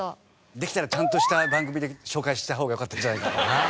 できたらちゃんとした番組で紹介した方がよかったんじゃないのかな。